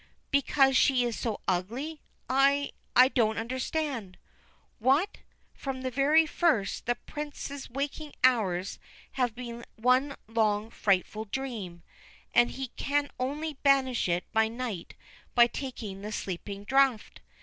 ' Because she is so ugly? I I don't understand." 'What! From the very first the Prince's waking hours have been one long, frightful dream ; and he can only banish it by night by taking the sleeping draught.